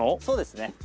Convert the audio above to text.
そうですね。